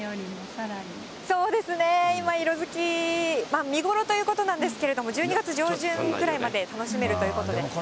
そうですね、今、色づき、見頃ということなんですけれども、１２月上旬ぐらいまで楽しめるということで。